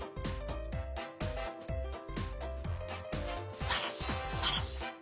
すばらしいすばらしい。